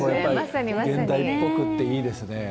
現代っぽくていいですね。